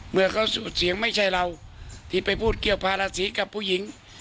เมื่อเขาเสียงไม่ใช่เราที่ไปพูดเกี่ยวภาราศีกับผู้หญิง